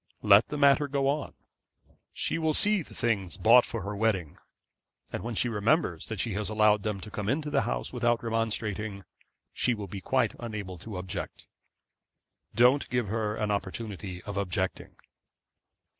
Let the matter go on. She will see the things bought for her wedding, and when she remembers that she has allowed them to come into the house without remonstrating, she will be quite unable to object. Don't give her an opportunity of objecting.'